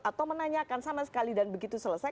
atau menanyakan sama sekali dan begitu selesai